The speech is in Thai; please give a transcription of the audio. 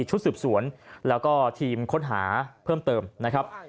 ชุดสืบสวนแล้วก็ทีมค้นหาเพิ่มเติมนะครับ